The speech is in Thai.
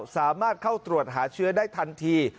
สามารถเข้าตรวจหาเชื้อได้ทันที